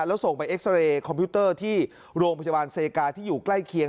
แล้วส่งไปเอ็กซาเรย์คอมพิวเตอร์ที่โรงพยาบาลเซกาที่อยู่ใกล้เคียง